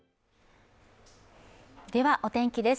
では、お天気です。